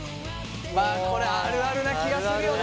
まあこれあるあるな気がするよね。